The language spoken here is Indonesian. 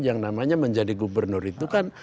yang namanya menjadi gubernur itu kan